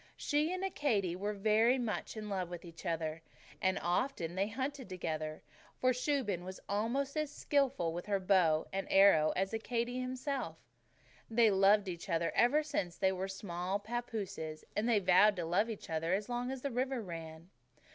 She and Accadee were very much in love with each other, and often they hunted together, for Shuben was almost as skilful with her bow and arrow as Accadee himself. They had loved each other ever since they were small pappooses, and they had vowed to love each other as long as the river ran.